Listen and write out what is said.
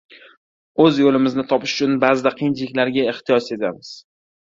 oʻz yoʻlimizni topish uchun baʼzida qiyinchiliklarga ehtiyoj sezamiz.